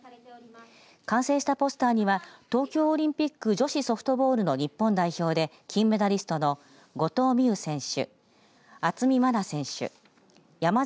完成したポスターには東京オリンピック女子ソフトボール部の日本代表金メダリストの後藤希友選手